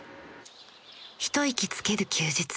ひと息つける休日